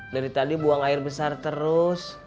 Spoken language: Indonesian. dari tadi buang air besar terus